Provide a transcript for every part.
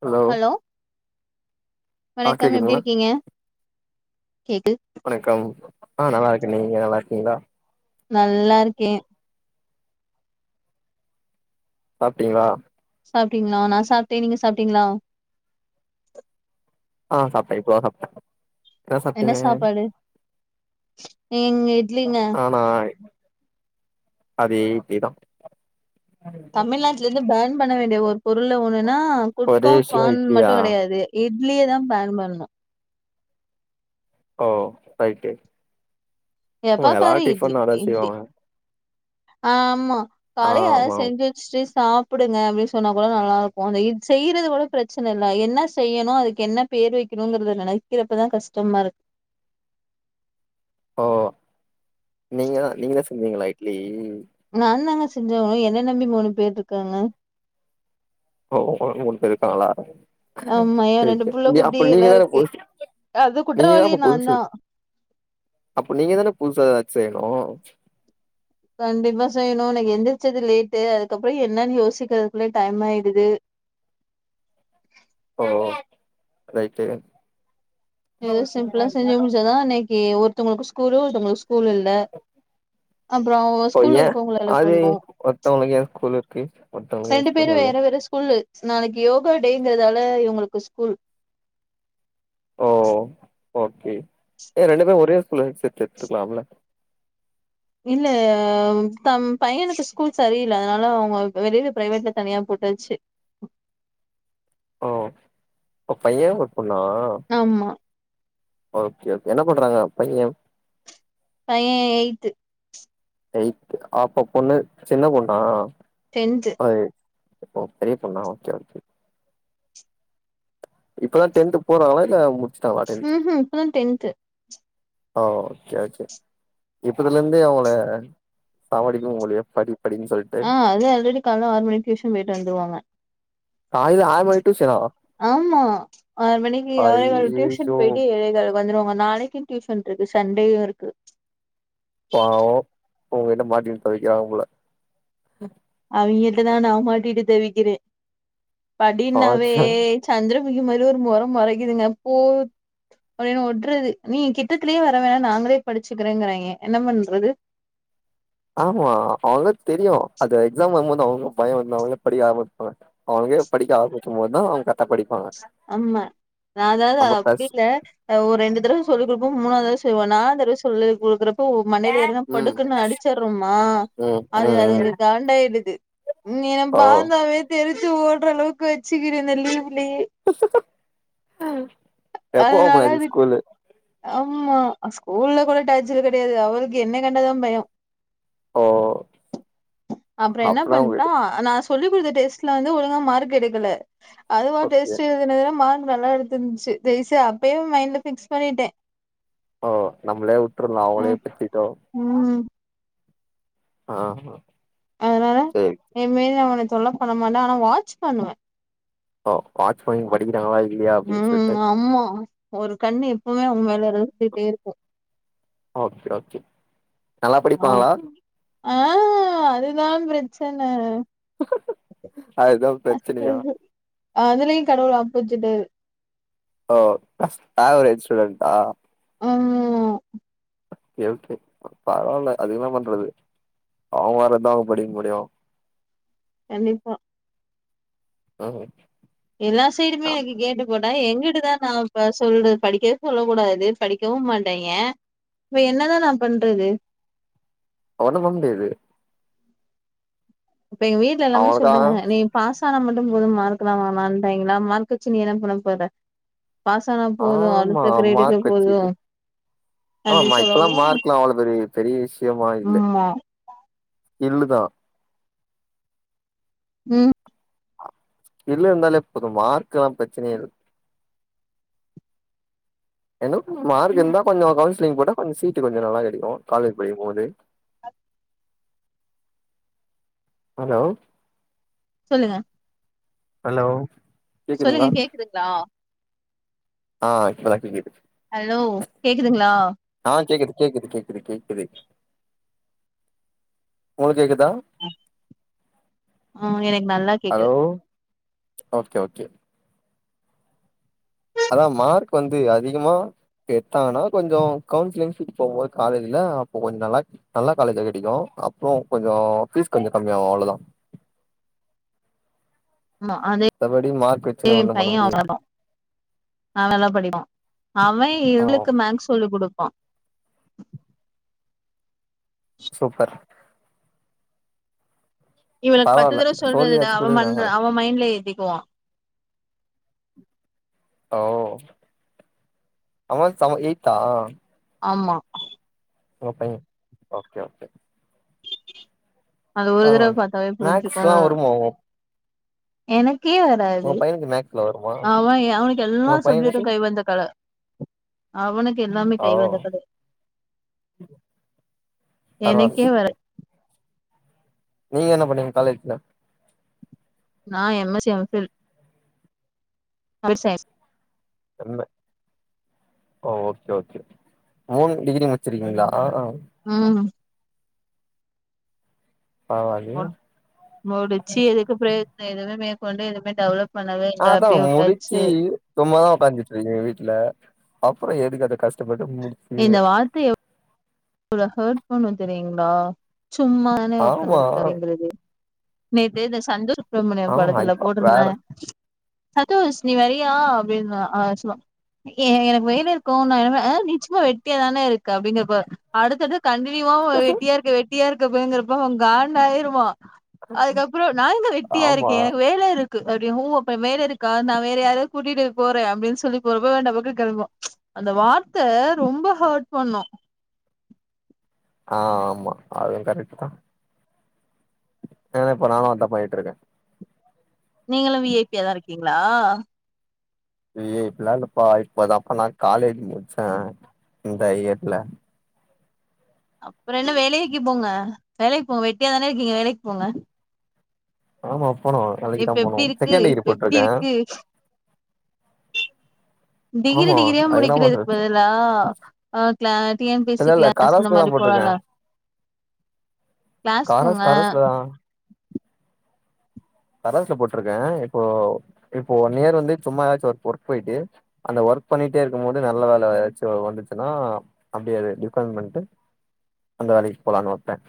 Hello ஆ வணக்கம் எப்படி கேக்குதுங்களா இருக்கீங்க கேக்கு வணக்கம். ஆஹ நல்லா இருக்கே நீங்க நல்லா இருக்கீங்களா. நல்லா இருக்கே. சாப்டிங்களா. சாப்பிட்டீங்களா நா சாப்ட்ட நீங்க சாப்பிட்டீங்களா. ஆ சாப்பிட்ட இப்போதா சாப்பிட்ட. என்ன சாப்பிட்டீங்க. இங்க இட்லிங்க. ஏதா. தமிழ்நாட்டுல இருந்து பேர்ன் பண்ணவே. வேண்டிய ஒரு. பொருள்ள ஒண்ணுன்னா ஒரே குட்கா விஷயோ பான் இட்லியா மட்டும் கெடையாது இட். இட்லியதா பேன் பண்ணனு. ஓ ரயிட்டு. ஆமா எப்ப பாரு எல்லாரு இட்லி டிஃபன் அதா இட்லி செய்வாங்க. ஆமா. ஆ காலையில அதலா ஆமா செஞ்சு வச்சுட்டு. சாப்பிடுங்க அப்படின்னு சொன்னா கூட நல்லா இருக்கு அ இது செய்யறது கூட பிரச்சன இல்ல என்ன செய்யணு அதுக்கு என்ன பேரு வைக்கணுங்கறத நெனக்கிறப்பதா கஷ்டமா இருக்கு. ஓ. நீங்க நீங்களா செய். விங்களா இட்லி. நாதாங்க. செஞ்சாகனு என்ன நம்பி மூணு பேரு இருக்காங்க. ஓ உங்கள நம்பி மூணு பேரு இருக்காங்களா. ஆமா ஏ ரெண்டு புள்ள ஓக்கே குட்டி அப்ப எல்லா நீங்கதான இருக்கு ஒயிப்பு அது நீங்கதான குற்றவாளி அப்ப புதுசு. நான்தா அப்ப நீங்கதான புதுச்சா. செய்ணு. கண்டிப்பா செய்யணு இன்னிக்கு எந்திரிச்சது லேட்டு அதுக்கப்புறோ என்னன்னு யோசிக்கிறதுக்குள்ள டைம் ஆயிடுது. ஓ ரைட்டு. ஏதோ சிம்பிளா செஞ்சு முடிச்சாதா நெக். டே ஒருத்தங்களுக்கு ஸ்கூல்லு ஒருத்தங்களுக்கு. ஸ்கூல் இல்ல. அப்புறோ ஒரு ஓ ஸ்கூல் ஏ இருக்கு. அது [unintelligible] ம்ச் ஒருத்தவங்களுக்கு ஏ ஸ்கூல் இருக்கு ஒருத்தவங்களுக்கு ஏ ரெண்டு ஸ்கூல் பேரு இல்ல வேற வேற ஸ்கூலு. நாளைக்கு யோகா டேங்கறதால இவங்களுக்கு ஸ்கூல். ஓஹோ. ஓக்கே ஏ ரெண்டு பேரு ஒரே ஸ்கூல்ல சேத்து விட்டுருக்கலாம்ல. இல்ல தம் பையனுக்கு ஸ்கூல் சரியில்ல அதனால அவங்க வெளியில பிரைவேட்ல தனியா போட்டாச்சு. ஓ பைய. பொண்ணா ஆமா ஓகே என்ன பண்றாங்க பைய பையன் எயி்த அப்ப பொண்ணு சின்ன பொண்ணா ரென்று ஓ ஓ பெரிய பொண்ணா ஓகே ஓகே இப்பதா டென்த் போறாங்களா இல்ல முடிச்சுட்டாங்களா டென்த் ம்ஹம் இப்பதான் டென்த் ஓ ஓகே ஓகே இப்பதுல இருந்தே அவங்கள சமாளக்கும் உங்கைய படி படின்னு சொல்லிட்டு ஆஹ அத அதுனு ஆல்ரெடி காலையில ஆறு மணி டியூஷன் போயிட்டு வந்துருவீங்க [unintelligible] ஆமா ஆ மணிக்கு அவர டடியூஷன் ஐயையோ போயடி எழ வந்துருவோங்க நாளைக்கும் டியூஷன் இருக்கு சண்டேும் இருக்கு பாவம் உங்க கிட்ட மாட்டிட்டு தவிக்கிறாங்க போல அவுங்கிட்ட தான் நான்மாட்டிட்டு தவிக்கிறேன் படினவே ஆ சந்திர மிகமத ஒரு மொரை மொரைக்குதுங்க போ அப்படின்னு ஒடுறது நீ கிட்டத்தலயே வர வேணாம் நாங்களே படிச்சுக்கிறேங்கிறாயங்க என்ன பண்றது ஆமா அவங்க தெரியும் அது எக்ஸாம் வரும்போது அவங்க பயம் வந்து அவங்கள படிக்க ஆரம்பிப்பாங்க அவங்கே படிக்க ஆரம்பிக்கும்போதுதான் அவங்க கரக்டா படிப்பாங்க ஆமா நான் அதாவது நம்ம அப்படி பிளஸ் இல்ல ஒரு ரெண்டு தடவ சொல்லிக்கூடுப்ப மூணாவ ததான் செய்வ நா தடவை சொல்லி கொடுக்குற ப்ப மண்டையில ஏறனா ம். படுக்கன்னு அடிச்சடுறோமா ம். அது ம். அதுளுக்கு ம். கண்டாயிடுது ஓ! பந்தாவே தெரி ஓடுற அளவுக்கு வச்சுக்க இருந்தலீவ்லயே க்குங் க்கு எப்போ அதனால ஓபன் அதுக் ஸ்கூலு ஆமா ஸ்கூல்ல கூட டாச்சல் கிடையாது அவளுக்கு என்ன கண்டாதான் பயம் ஓ அப்புறம் என்ன அப்பனா உங்களுக்கு பண்ணிட்டோம் நான் சொல்லி கொடுத்த டெஸ்ட்ல வந்து ஒழுங்க மார்க் எடுக்கல அதுவ ஓகே. டஸ்ட்து என்னது நல்லா எத்துிருந்துச்சு ஜெயிசு அப்பயே மைண்ட்ல பிக்ஸ் பண்ணிட்டேன் ஓ நம்ளே உட்டுறல அவகளே பெத்திட்டோ ம் ஆஹ்மா அதனால என்மேல அவனுக்கு தொல்ல பண்ண மாட்டேன் ஆனா வாட்ச் பண்ணுவேன் ஓ வாட்சி படிக்கிறாங்களா இல்லையா அப்படின்னு சொல்லிட்டு எபோயுமே உன்மேல இருந்துிட்டே இருக்கும் ஓகே, ஓகே. நல்லா ஆஹ் படிப்பாங்களா? ஆஹ் அதுதான் பிரச் சனா அதுதான் பிரச்சனையா அஹ் அதுலயும் கடவுள் அப்பச்சுட்டுட்டாரு ஓ ஆவரேஜ் ஆஹ் கே பரவாயில்ல அதுல்லாம் பண்றது அவங்க வரதான் அவங்க படிக்க முடியும் [inaudible] கண்டிப்பா ஆஹ் எல்லா சைடு மே எனக்கு கேட போ எங்கிட்டதான் நான் சொல்ற படிக்கவே சொல்லக் கூடாது படிக்கவும் மாட்டேங்க இப்ப என்னதான் நான் பண்றது அவன வந்தது இப்ப எங்க வீட்டுல எல்லாமே அவனுக்கா சொல்றாங்க நீ பாச மட்டும் போதும் மார்கலாம் வாலம்ட்டாங்களா மார்கச்சின்ன என்ன பண்ண போற பாசனா போதும் ஆமா அடுத்த கிரேடுக்க மார்க் வச்சுட்டு போதும் அப்பிடின்னு சொல்லோ சரி முியில் [unintelligible] இழுதான் உம் இல்ல இருந்தாலே எப்போதும் மார்க்க எல்லாம் பிரச்சனையே இருக்குன்ன மார்க் ம் இருந்த கொஞ்சம் கவுசிலி்ங் போட்ட கொஞ்சம் சீட்டு கொஞ்சம் நல்லா கிடைக்கும் காலேஜ் படிக்கும் போது அ ஹலோ சொல்லுங்க ஹலோ சொல்லுங்க கேக்குதுங்களா ஆஹ் சொல்லாக்கது [inaudible] ஹலோ கேக்குதுங்களா ஆ கேக்குது கேக்குது கேக்குது கேக்குது உங்களக்கு கேக்குது தான் ஆஹ் எனக்கு நல்லா கேக்குது ஓகே ஓகே அதான் மார்க் வந்து அதிகமா எடுத்தாங்கன்னா கொஞ்சம் கவுன்சிலிங்க் போட்டா காலேஜ்ல அப்போ கொஞ்சம் நல்லா நல்லா காலேஜா கிடைக்கும் அப்புறம் கொஞ்சம் பீஸ் கொஞ்சம் கம்மி ஆகும் அவ்ளவுதான் ஆ அத மார்க் தேவ வச்சுன்னு ஒண்ணு பண்ண பையன் முடியாது அவரடான் அவலை படிவான் அவன் ஆ இவளுக்கு மேக்ஸ் சொல்லிக் கொடுப்பான் [inaudible] சூப்பர் இவளுக்கு பத்து பரவால்ல தடவை சொல்றதுடா சோல்லியாச்சு அவ குடுக்குறாங்களே அவன் மைண்ட்ல இரு போவா. ஓ அமர் அவ எயித்தா. ஆமா. உங்க பைய ஓக்கே ஓக்கே. அது ஒரு தடவ பாத்தாவே புரிஞ்சுக்குவா. மேக்ஸ்லா வருமா உங்க எனக். கே உங்க வாறாது பையனுக்கு மேக்ஸ்ல வருமா அவ அவனுக்கு எல்லா உங்க பையனுக்கு சப்ஜெக்ட்டும் கை வந்த கல. அவுனுக்கு எல்லாமே ஓ கை வந்தக்கத. பரவால்ல எனக்கே வர. நீங்க என்ன பண்ணீங்க காலேஜ்ல. நா எம்எஸ்சி எம்பில். [unintelligible] இல்ல. ஓ ஓக்கே ஓக்கே. மூணு டிகிரி முடிச்சிருக்கீங்களா. ஆஹ ஆஹ. ம் பரவால்லயே மு முடிச்சு எதுக்கு பிரயோஜனோ எதுவுமே. கொண்டு எதுமே டெவலப். பண்ணவே இல்ல அதா அப்டியே முடிச்சி விட்டாச்சு சும்மதா உக்காந்துட்டு இருக்கிங்க வீட்டுல. அப்புறோ எதுக்குது அத கஷ்டபட். டு முடிச்சு. உங்கல ஹெர்ட் பண்ணு தெரியீங்களா. சும்மாதானே ஆமா உட்காந்துருக்கிற அப்படிங்கிறது. நேத்து இந்த சந்தூர். சுப்புரமணிய ஆமா படத்துல இப்ப வேற போட்டுருந்தாங்க. சதோஷ் நீ வரியா அப்பிடின்னுவா. [unintelligible] எனக்கு வேல இருக்கு நா என்ன நிச்சயமா வெட்டியாதான இருக்க அப்புடிங்கறப்ப. அடுத்தது. கண்டினியூா வெட்டியா இருக்க வெட்டியா இருக்க. இரு போங்கறப்ப அவ காண்டு ஆயிருவா. அதுக்கப்புறோ நா எங்க வெட்டியா ஆமா இருக்கே எனக்கு வேல இருக். க்கு அப்புடிங்கவு ஓ அப்பறோ வேல இருக்கா நா வேற யாராவத கூட்டிட்டு போற அப்புடின்னு சொல்லி போறப்ப டபுக்குனு கிளம்புவா ம்ச் அந்த வார்த்த ரொம்ப ஹேர்ட் பண்ணு. ஆஹ ஆமா அதுவு கரெக்ட்டுதா. ஆஹ இப்ப நானுவா தப்பாயிட்டு இருக்க. நீங்களு விஐபியாதா இருக்கீங்களா. விஐபிலா இல்லப்பா இப்பதாப்பா நா காலேஜ் முடிச்ச இந்த இயர்ல. அப்புறோ என்ன வேலைக்கு போங்க வேலைக்கு போங்க வெட்டியாதான இருக்கீங்க வேலைக்கு போங்க. ஆமா. போனு வேலைக்குதா இப்ப போனு எப்டி இருக்கு செகண்ட் டிகிரி இப்ப எப்டி போய்ட்டுருக்க. இருக்கு டிகிரி டிகிரியா முடிக்கிறதுக்கு பண்றது பதிலா. ஆஹ கிள. டி என் பிசி இல்ல இல்ல கிளாஸ் இந்த கரஸ்ல தா மாரி போட்டிருக்கே போலால. கிளாஸ் போங்க. கரஸ் கரஸ்ல தா கரஸ்சுல போட்டுருக்க இப்போ இப்போ நியர் வந்து சும்மா ஏதாச்சு ஒர்க் ஒர்க் போயிட்டு அந்த ஒர்க் பண்ணிட்டே இருக்கும் போது நல்ல வேல ஏதாச்சு வந்துச்சுன்னா அப்புடி அது டிஃபண்ட் பண்ணிட்டு அந்த வேலைக்கு போலான்னு ஒரே ப்லேன்.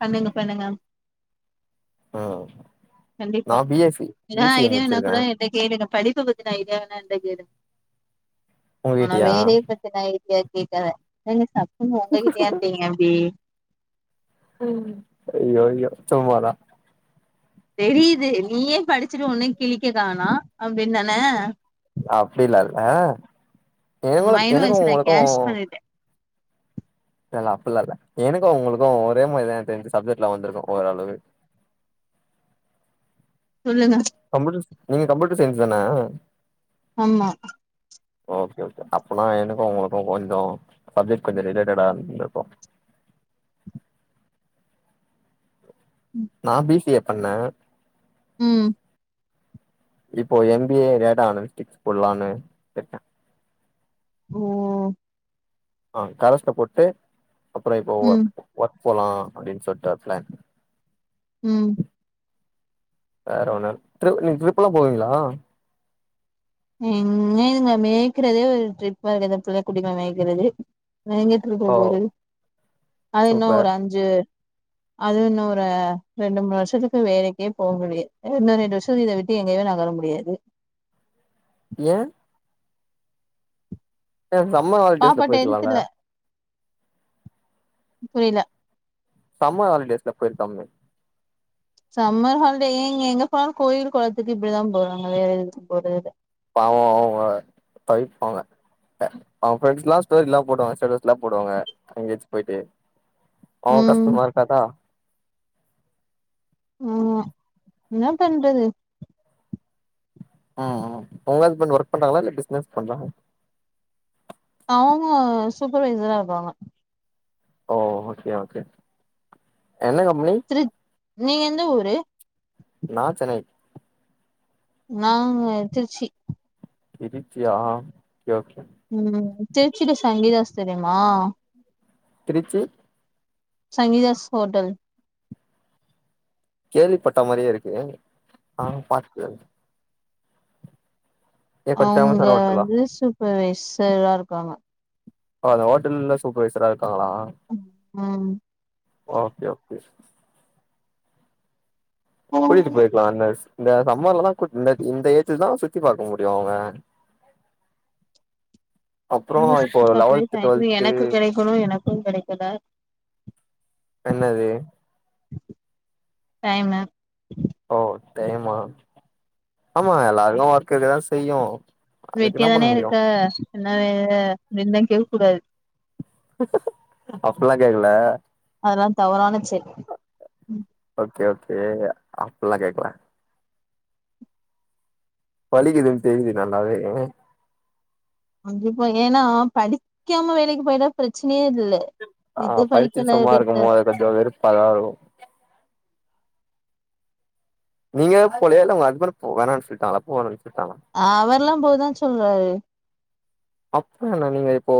பண்ணுங்க பண்ணுங்க. ஆஹ. கண்டிப்பா எதா ஐடியா வேனா முடிச்சிருக்கே கூட என்ட்ட கேளுங்க படிப். படிப்பு பத்தின்ன ஐடியா வேண்ணா என்ட்ட கேளுங்க. உங்க ஆனா கிட்டயா வேற பிரச்சன ஐடியாஸ். கேக்காத. [unintelligible] என்ன உங்ககிட்டயானு கேக்குறிங்க அப்படி. ஆஹ ஐயையோ சும்மாதா. தெரியுது நீயே படிச்சுட்டு ஒண்ணு கிழிக்க கானோ அப்படின்னுதான. அப்டில்லா இல்ல. எங்களுக்கு மைண்ட் வாய்ஸ எனக்கும் நா உங்களுக்கும். கேட்ச் பண்ணிட்டே இல்ல இல்ல அப்டில்ல இல்ல. எனக்கு உங்களுக்கு ஒரே மாரிதா என தெரிஞ்சு சப்ஜெக்ட்ல வந்திருக்கு ஓரளவு. சொல்லுங்க. கம்ப்யூட்டர் நீங்க கம்ப்யூட்டர் சயின்ஸ் தான. ஆமா. ஓக்கே ஓக்கே அப்பனா எனக்கு உங்களுக்கு கொஞ்சோ சப்ஜெக்ட் கொஞ்சோ ரிலேட்டடா இருந்துருக்கு. அண்ண. உம். இப்போ எம்பிஏ டேடா அனலிஸ்டிக்ஸ் போடலா இருக்க. ஓஹோ. ஆஹ கரஸ்ல போட்டு. அப்புறோ இப்போ ஒர் ம் ஒர்க். போலா அப்படின்னு சொல்லிட்டு ஒரு பிளான். உம். வேற ஒண்ணுல்ல. ட்ரிப் நீங்க ட்ரிப்பல்லா போவீங்களா. என்ன இதுங்கள மேய்கறதே ஒரு ட்ரிப் மாரிதா புள்ள குட்டிகள மேய்க்கறது. நா எங்க ட்ரிப் ஓ போறது. அது இன்னும் சூப்பர் ஒரு அஞ்சு. அது இன்னொரு ரெண்டு மூணு வருஷத்துக்கு வேலைக்கே போக முடியாது. இன்னொரு ரெண்டு வருஷத்துக்கு இத விட்டு எங்கயுமே நகர முடியாது. ஏ. ஏ சம்மர் ஹாலிடேஸ்ல போய்ருக்கலால. புரியில. சம்மர் ஹாலிடேஸ்ல போயிருக்கலாமே. சம்மர் ஹாலிடே ஏன்ங்க எங்க போனாலு கோயில் குளத்துக்கு இப்படிதா போடுறாங்க வேற இதுக்கு போடுறது இல்ல. பாவோ அவங்க தவிபாங்க அவங்க ஃப்ரெண்ட்ஸ் எல்லா ஸ்டோரி எல்லா ஸ்டேட்ஸ் எல்லா போடுவாங்க எங்கயாச்சி போயிட்டு. அவங்க ம் கஸ்டமா இருக்காதா. ஆமா என்ன பண்றது. உஹம் உங்க ஹஸ்பண்ட் ஒர்க் பண்றாங்களா இல்ல பிஸ்னஸ் பண்றாங்களா. அவங்க சூப்பர்வைசரா இருக்காங்க. ஓ ஓக்கே ஓக்கே என்ன கம்பெனி திரு நீங்க எந்த ஊரு நா சென்னை நான் திருச்சி திருச்சியா ஒக்கே ஓக்கே உம் திருச்சுட்டு சங்கீதாஸ் தெரியுமா திருச்சி சங்கீதாஸ் ஹோட்டல் கேள்விப்பட்ட மாரியே இருக்கு ஆனா பாத்ததுல்ல ஃபேமஸான ஹோட்டலா அவுங்கந்து சுத் சூப்பர் வைசரா இருக்காங்க ஓட்டல்ல சூப்பரவைசரா இருக் இருக்காங்களா ஓக்கே ஓக்கே பூட்டிட்டு ம் போய்ர்க்கலால்ல ஸ் இந்த சம்மர்லதான் இப்ப இந்த ஏஜ்ல தான் சுத்தி பாக்க முடியும் அவுங்க சுத்தி பாக்க டைம் எனக்கு கெடக்கணும் எனக்கும் கெடக்கலா என்னது டைமு ஓ டைமா ஆமா எல்லாருக்கும் பா இருக்கதான் செய்யும் வெட்டியாதான இருக்க [unintelligible] கேட்க கூடாது அப்லா கேக்ல அதல்லாம் தவறான செல் அப்டில்லா கேக்ல பலிக்குதுனு தெரிது நல்லாவே அந்த பையனு படிக்காம வேலைக்கு பேயிர்ந்தா பிரச்னையே அ படிச்சு சும்மா இருக்கனு கொஞ்சோ வெறுப்பா தா இருக்கும் நீங்க போலைய இல்ல உங்க அஸ்பண்ட் வேணாம்னு சொல்லிட்டாங்கால போக வேனம்னு அவர்ல்லாம் போதான் சொல்றாரு அப்ப என்னா நீங்க இப்போ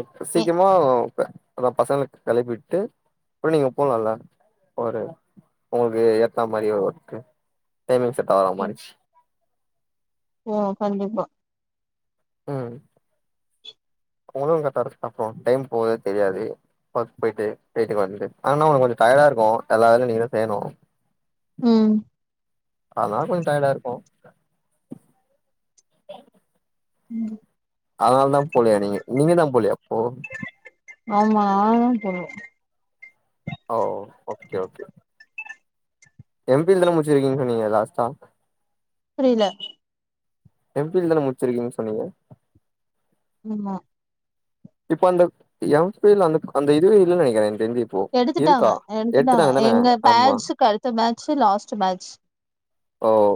இப்ப சீக்கிரமா அதான் பசங்களுக்கு கிளப்பிட்டு அப்புறம் நீங்க போலாம்ல ஒரு உங்களுக்கு ஏத்தா மாதிரி ஒரு ஒர்க்கு டைமிங் செட் ஆகாது மாறீடுச்சு ஓ கண்டிப்பா உம் அவுங்களும் கரெக்ட்டா இருக்கும் அப்புறம் டைம் போறதே தெரியாது போயிட்டு போட்டு வந்துட்டு ஆனா அவுங்க கொஞ்சம் டையர்டா இருக்கும் எல்லா வேலையும் நீங்களே ‌செய்யணும் உம் அதான் கொஞ்சம் டையர்டா இருக்கும் உம் அதனால தான் போலியா நீங்க நீங்க தான் போலியா அப்போ ஆமா நான் தான் போல ஓ ஓகே ஓகே எம்பில் தானே முடிச்சிருக்கீங்கு நீங்க லாஸ்ட்டா புரியல எம்பில் தானே முடிச்சிருக்கீங்கனு சொன்னீங்க ஆமா இப்ப அந்த எம் பில் அந்த அந்த இதுவே இல்லனு நினைக்கிறேன் எடுத்துட்டாங்க எடுத்துட்டாங்க தான எங்க ஆமா பேட்சுக்கு அடுத்த பேட்சு லாஸ்ட் பேட்ச் ஓ